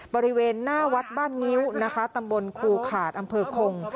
บริเวณหน้าวัดบ้านงิ้วนะคะตำบลครูขาดอำเภอคง